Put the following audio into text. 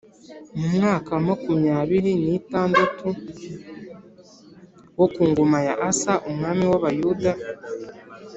Mu mwaka wa makumyabiri n’itandatu wo ku ngoma ya Asa umwami w’Abayuda